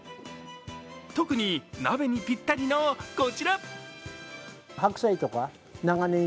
特に、鍋にぴったりのこちら。